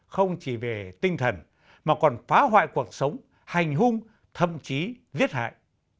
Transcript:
không chỉ về tinh thần mà còn phá hoại cuộc sống hành hung thậm chí giết hại